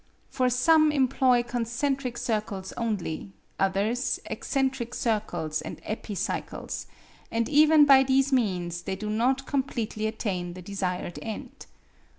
For some employ concentric circles only; others, eccentric circles and epicycles; and even by these means they do not completely attain the desired end.